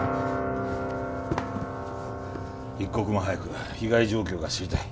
一刻も早く被害状況が知りたい。